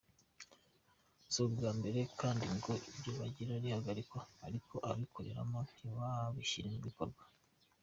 Si ubwa mbere kandi ngo iryo bagira rihagarikwa ariko abarikoreramo ntibabishyire mu bikorwa.